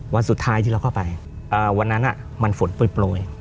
วันสุดท้ายที่เราก็ไปวันนั้นมันฝนปล่อย